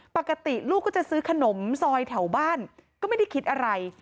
ปกติลูกก็จะซื้อขนมซอยแถวบ้านก็ไม่ได้คิดอะไร